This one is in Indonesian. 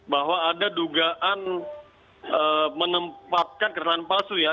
bahwa ada dugaan menempatkan keterangan palsu ya